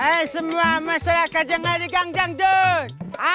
eh semua masyarakat jangan digangjang gangjang